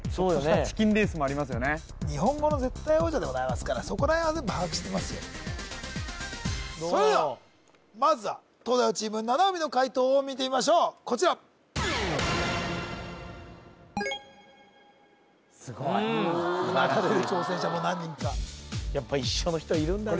日本語の絶対王者でございますからそこら辺は全部把握してますよどうだろうそれではまずは東大王チーム七海の解答を見てみましょうこちら・すごい素晴らしいうなだれる挑戦者も何人かやっぱ一緒の人いるんだな